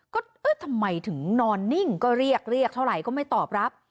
ก็ทำไมถึงนอนนิ่งก็เรียกเท่าไหร่ก็ไม่ตอบรับ